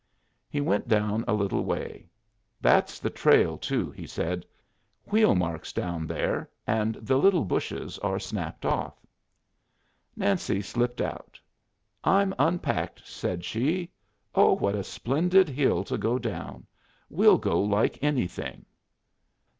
He went down a little way. "That's the trail too," he said. "Wheel marks down there, and the little bushes are snapped off." Nancy slipped out. "I'm unpacked," said she. "Oh, what a splendid hill to go down! We'll go like anything."